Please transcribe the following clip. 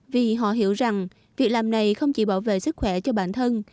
vì họ hiểu rằng việc làm này không chỉ bảo vệ sức khỏe cho bản thân